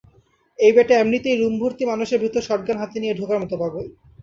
এই ব্যাটা এমনিতেই রুমভর্তি মানুষের ভেতর শটগান হাতে নিয়ে ঢোকার মতো পাগল।